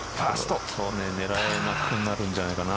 狙えなくなるんじゃないかな。